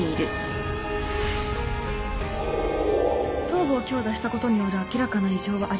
頭部を強打したことによる明らかな異常はありません。